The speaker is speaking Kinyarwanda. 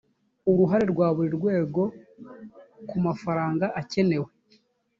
uruhare rwa buri rwego ku mafaranga akenewe